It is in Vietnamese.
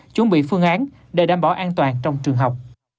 chuẩn bị phương án để đảm bảo an toàn trong trường học